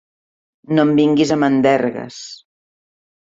No em vinguis amb endergues.